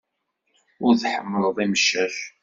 Ur tḥemmleḍ imcac.